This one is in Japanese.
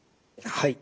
はい。